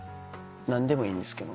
何でもいいんですけど。